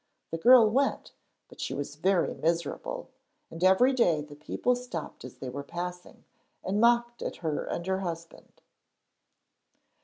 The girl went, but she was very miserable, and every day the people stopped as they were passing, and mocked at her and her husband.